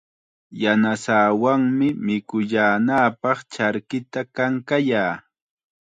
Yanasaawanmi mikuyaanapaq charkita kankayaa.